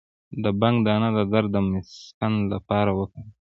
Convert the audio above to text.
د بنګ دانه د درد د مسکن لپاره وکاروئ